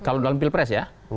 kalau dalam pilpres ya